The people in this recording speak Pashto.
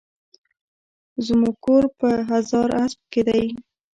زموکور په هزاراسپ کی دي